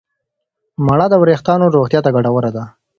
مڼه د وریښتانو روغتیا ته ګټوره ده.